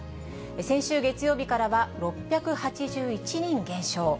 先週月曜日からは６８１人減少。